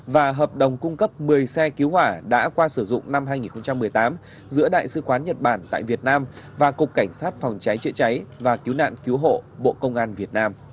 và hợp đồng cung cấp một mươi xe cứu hỏa đã qua sử dụng năm hai nghìn một mươi tám giữa đại sứ quán nhật bản tại việt nam và cục cảnh sát phòng cháy chữa cháy và cứu nạn cứu hộ bộ công an việt nam